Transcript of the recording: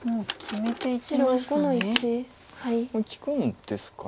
これ利くんですか